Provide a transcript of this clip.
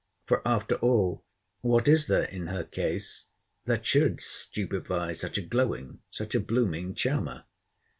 For, after all, what is there in her case that should stupify such a glowing, such a blooming charmer?